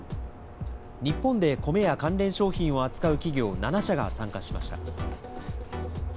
日本でコメや関連商品を扱う企業７社が参加しました。